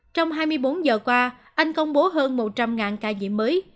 trong hai mươi bốn giờ qua anh công bố hơn một trăm linh ca nhiễm mới